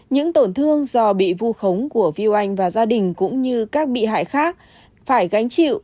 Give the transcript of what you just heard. những tổn thương do bị vu khống của viu anh và gia đình cũng như các bị hại khác phải gánh chịu